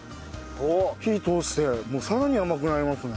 火通してさらに甘くなりますね。